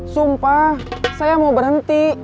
sumpah saya mau berhenti